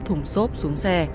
thùng xốp xuống xe